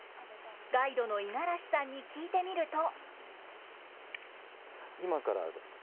ガイドの五十嵐さんに聞いてみると。